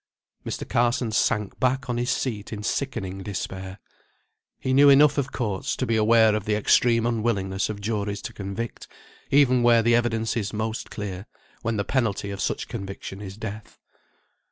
Mr. Carson sank back on his seat in sickening despair. He knew enough of courts to be aware of the extreme unwillingness of juries to convict, even where the evidence is most clear, when the penalty of such conviction is death.